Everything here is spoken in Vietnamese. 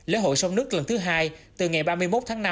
lễ hội sông nước lần thứ hai từ ngày ba mươi một tháng năm